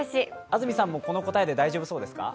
安住さんもこの答えで大丈夫ですか？